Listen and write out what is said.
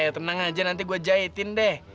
tenang aja nanti gue jahitin deh